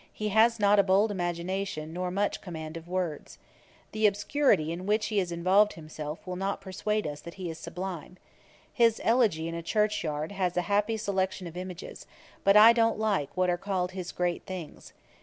He has not a bold imagination, nor much command of words. The obscurity in which he has involved himself will not persuade us that he is sublime. His Elegy in a Church yard has a happy selection of images, but I don't like what are called his great things.